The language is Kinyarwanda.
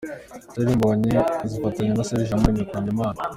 Israel Mbonyi azafatanya na Serge Iyamuremye kuramya Imana.